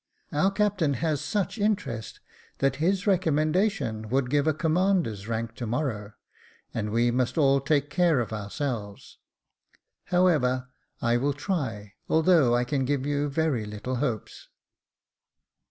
Our captain has such in terest that his recommendation would give a commander's rank to morrow, and we must all take care of ourselves. However, I will try, although I can give you very little hopes."